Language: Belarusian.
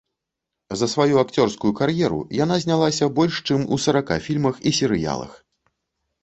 За сваю акцёрскую кар'еру яна знялася больш чым у сарака фільмах і серыялах.